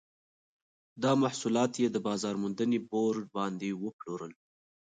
دا محصولات یې د بازار موندنې بورډ باندې وپلورل.